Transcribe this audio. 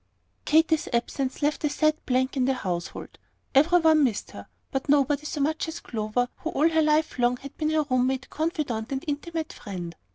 Katy's absence left a sad blank in the household. Every one missed her, but nobody so much as Clover, who all her life long had been her room mate, confidante, and intimate friend.